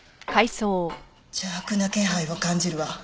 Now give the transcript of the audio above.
邪悪な気配を感じるわ。